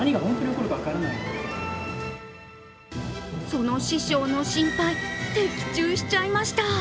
その師匠の心配、的中しちゃいました。